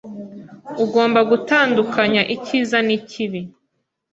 Ugomba gutandukanya icyiza n'ikibi.